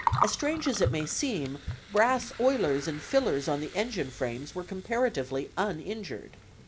As strange as it may seem brass oilers and fillers on the engine frames were comparatively uninjured.